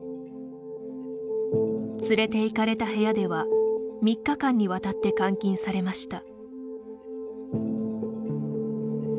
連れていかれた部屋では３日間にわたって監禁されました。